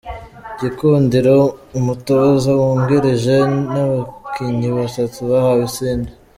Gikundiro Umutoza wungirije n’abakinnyi batatu bahawe isinde